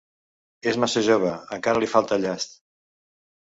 És massa jove: encara li falta llast.